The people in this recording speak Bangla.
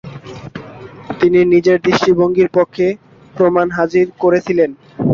তিনি নিজের দৃষ্টিভঙ্গির পক্ষে প্রমাণ হাজির করেছিলেন।